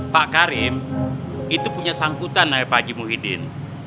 pak karim itu punya sangkutan sama pak aji muhyiddin